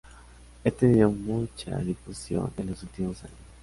Ha tenido mucha difusión en los últimos años.